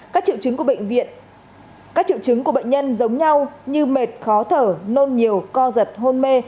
các triệu chứng của bệnh nhân giống nhau như mệt khó thở nôn nhiều co giật hôn mê